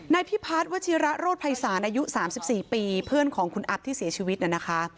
พิพัฒน์วัชิระโรธภัยศาลอายุ๓๔ปีเพื่อนของคุณอัพที่เสียชีวิตน่ะนะคะ